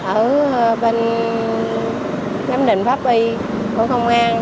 ở bên giám định pháp y của công an